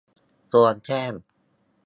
ควรแจ้ง